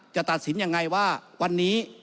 จะตัดสินยังไงว่าวันนี้